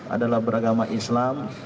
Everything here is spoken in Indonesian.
adalah beragama islam